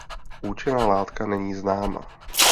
Účinná látka není známa.